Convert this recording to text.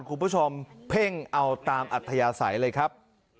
คุณผู้ชมเพ่งเอาตามอัธยาศัยเลยครับ